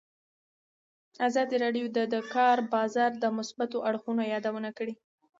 ازادي راډیو د د کار بازار د مثبتو اړخونو یادونه کړې.